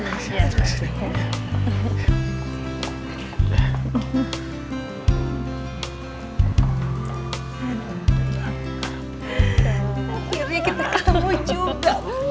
akhirnya kita kemui juga